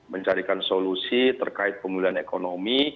mencarikan solusi terkait pemulihan ekonomi